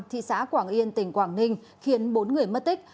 thị xã quảng yên tỉnh quảng ninh khiến bốn người mất tích